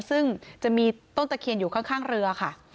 ซึ่งจะมีต้นตะเคียนอยู่ข้างเรือค่ะ